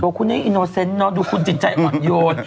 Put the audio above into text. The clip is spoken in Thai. ตัวคุณเนาี่อินโอเซนส์ดูคุณตาห่ายอ่อนโยน